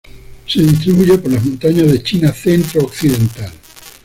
Se distribuye por las montañas de China centro occidental.